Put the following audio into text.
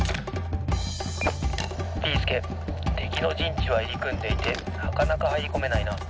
「ビーすけてきのじんちはいりくんでいてなかなかはいりこめないな。